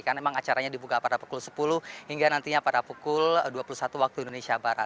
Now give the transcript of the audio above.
karena memang acaranya dibuka pada pukul sepuluh hingga nantinya pada pukul dua puluh satu waktu indonesia barat